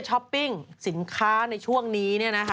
ปิ้งสินค้าในช่วงนี้